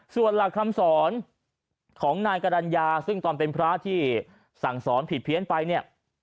ส่วนหลักคำสอนของนายกรรณญาซึ่งตอนเป็นพระที่สั่งสอนผิดเพี้ยนไปเนี่ย